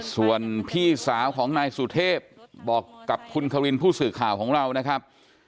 ส่วนพี่สาวของนายสุเทพบอกกับคุณควินผู้สื่อข่าวของเรานะครับ